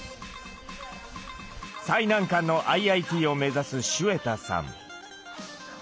最難関のＩＩＴを目指すシュウェタさん。